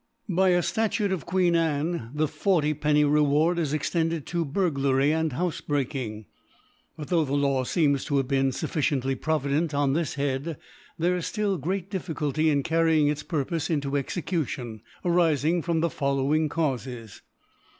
By a Statute of Queen jime^ the 40 /• Reward is extended to Burglary and Houfc breaking. But tho* the Law fccms to have been fufficiently provident on this Head j there is ftill great Difficulty in carrying its Pur pofe into Execution, arifing from the fol lowing Caufes.